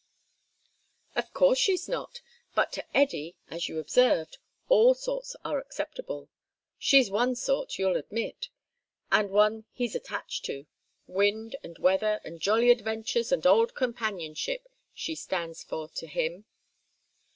"Of course she's not. But to Eddy, as you observed, all sorts are acceptable. She's one sort, you'll admit. And one he's attached to wind and weather and jolly adventures and old companionship, she stands for to him.